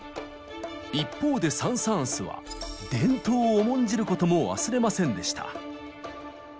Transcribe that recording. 一方でサン・サーンスは伝統を重んじることも忘れませんでした。